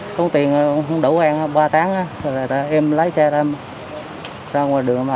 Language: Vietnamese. có tiền không đủ ăn ba tháng rồi em lái xe ra ngoài đường mà